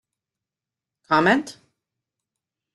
Comment?